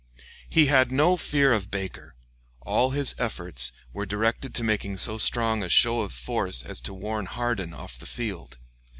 He had no fear of Baker; all his efforts were directed to making so strong a show of force as to warn Hardin off the field.